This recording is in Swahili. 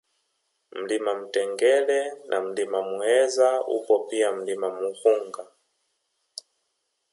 Mlima Mtingire na Mlima Mueza upo pia Mlima Mughunga